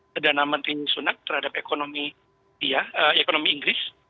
perdana menteri sunat terhadap ekonomi inggris